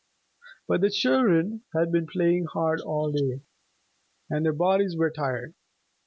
But the children had been playing hard all day, and their bodies were tired.